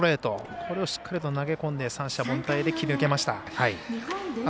これをしっかりと投げ込んで三者凡退で切り抜けました。